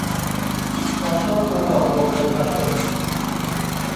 การฉ้อโกงหลอกลวงประชาชน